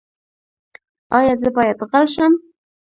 ایا زه باید غل شم؟